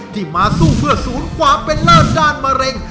ที่มาสู้เพื่อศูนย์ความเป็นเลิศด้านมะเร็ง